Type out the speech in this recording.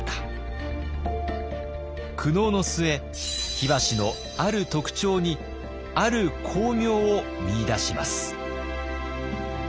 苦悩の末火箸のある特徴にある光明を見いだします。